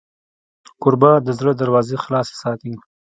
کوربه د زړه دروازې خلاصې ساتي.